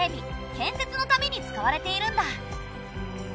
・建設のために使われているんだ。